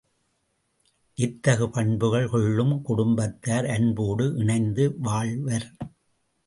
இத்தகு பண்புகள் கொள்ளும் குடும்பத்தார் அன்போடு இணைந்து வாழ்வர்.